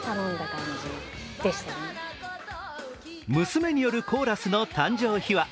娘によるコーラスの誕生秘話。